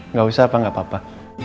nggak usah pa gak apa apa